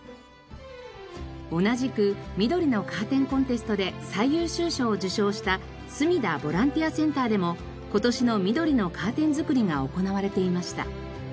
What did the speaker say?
同じく緑のカーテンコンテストで最優秀賞を受賞したすみだボランティアセンターでも今年の緑のカーテン作りが行われていました。